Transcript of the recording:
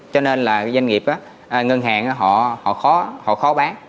cho nên là doanh nghiệp ngân hàng họ khó bán